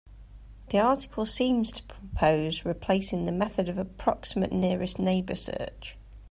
The article seems to propose replacing the method of approximate nearest neighbor search.